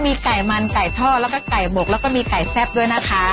มีไก่มันไก่ทอดแล้วก็ไก่หมกแล้วก็มีไก่แซ่บด้วยนะคะ